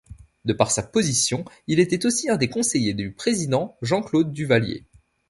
De par sa position, il était aussi un des conseillers du président Jean-Claude Duvalier.